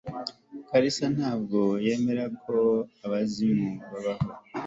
kalisa ntabwo yemera ko abazimu babaho